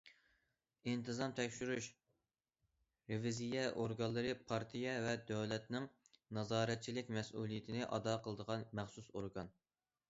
ئىنتىزام تەكشۈرۈش، رېۋىزىيە ئورگانلىرى پارتىيە ۋە دۆلەتنىڭ نازارەتچىلىك مەسئۇلىيىتىنى ئادا قىلىدىغان مەخسۇس ئورگان.